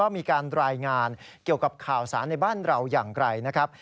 มีการรายงานเกี่ยวกับข่าวสารในบ้านเราอย่างไรนะครับ